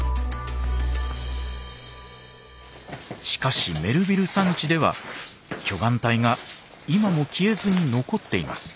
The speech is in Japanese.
しかしメルヴィル山地では巨岩帯が今も消えずに残っています。